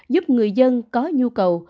giúp người dân có nhu cầu